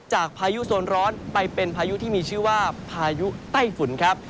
พายุโซนร้อนไปเป็นพายุที่มีชื่อว่าพายุไต้ฝุ่นครับ